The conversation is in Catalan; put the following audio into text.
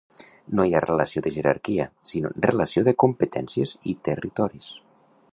No hi ha relació de jerarquia, sinó relació de competències i territoris.